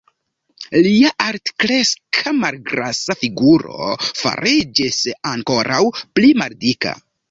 Lia altkreska, malgrasa figuro fariĝis ankoraŭ pli maldika.